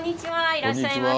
いらっしゃいませ。